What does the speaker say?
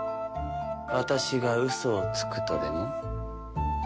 私がウソをつくとでも？